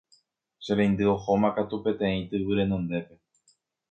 che reindy ohóma katu peteĩ tyvy renondépe